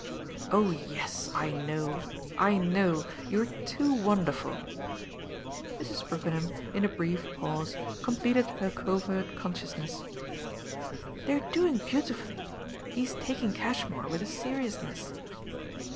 "Oh yes, I know I know; you're too wonderful!" Mrs. Brookenham, in a brief pause, completed her covert consciousness. "They're doing beautifully he's taking Cashmore with a seriousness!"